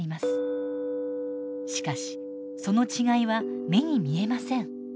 しかしその違いは目に見えません。